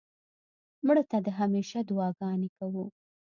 مړه ته د همېشه دعا ګانې کوو